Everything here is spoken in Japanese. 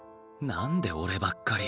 「何で俺ばっかり」